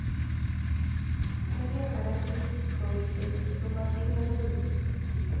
kiageer farasit kowisei kotokchikei oret nyu